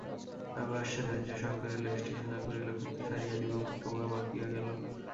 আবার সে ধৈর্য সহকারে লেজটি সোজা করিল, কিন্তু ছাড়িয়া দিবামাত্র উহা বাঁকিয়া গেল।